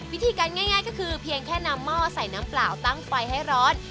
วิธีการง่ายก็คือเพียงแค่นำหม้อใส่น้ำเปล่าตั้งไฟให้ร้อน